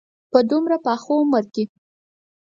په دومره پاخه عمر کې.